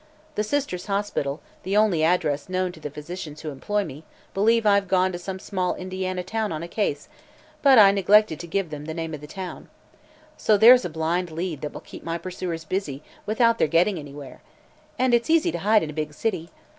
The Sisters' Hospital, the only address known to the physicians who employ me, believe I've gone to some small Indiana town on a case, but I neglected to give them the name of the town. So there's a blind lead that will keep my pursuers busy without their getting anywhere. It's easy to hide in a big city.